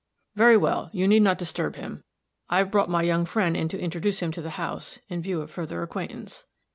"Very well. You need not disturb him. I've brought my young friend in to introduce him to the house, in view of further acquaintance."